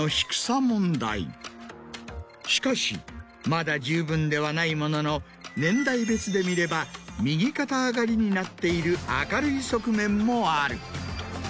しかしまだ十分ではないものの年代別で見れば右肩上がりになっている明るい側面もある。